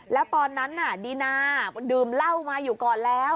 แล้วตอนนั้นน่ะดีนาดื่มเหล้ามาอยู่ก่อนแล้ว